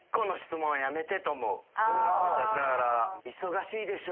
「忙しいでしょ？」